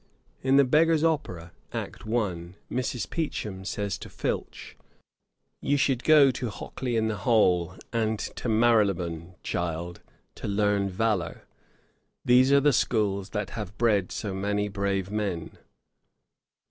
In The Beggar's Opera, act i. Mrs. Peachum says to Filch: 'You should go to Hockley in the Hole, and to Marylebone, child, to learn valour. These are the schools that have bred so many brave men.'